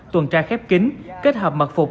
tuần tra khép kính kết hợp mật phục